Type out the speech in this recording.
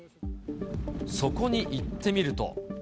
そこに行ってみると。